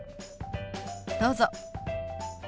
どうぞ。